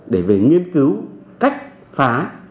để về nghiên cứu cách phá